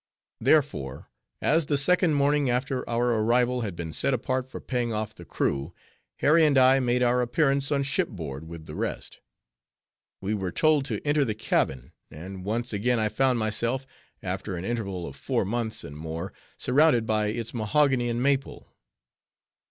Therefore, as the second morning after our arrival, had been set apart for paying off the crew, Harry and I made our appearance on ship board, with the rest. We were told to enter the cabin; and once again I found myself, after an interval of four months, and more, surrounded by its mahogany and maple.